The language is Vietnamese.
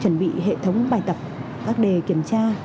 chuẩn bị hệ thống bài tập các đề kiểm tra